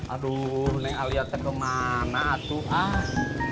aduh neng alia terkemana tuh ah